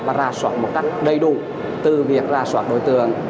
và ra soát một cách đầy đủ từ việc ra soát đối tượng